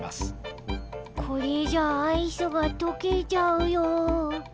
これじゃアイスがとけちゃうよ。